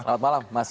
selamat malam mas